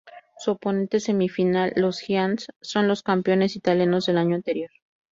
Su oponente semifinal, los Giants, son los campeones italianos del año anterior.